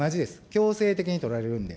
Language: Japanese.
強制的に取られるんで。